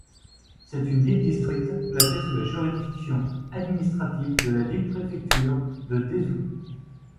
C'est une ville-district placée sous la juridiction administrative de la ville-préfecture de Dezhou.